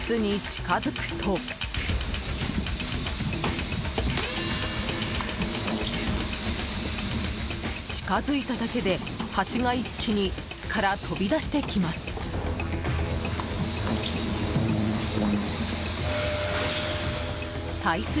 近づいただけで、ハチが一気に巣から飛び出してきます。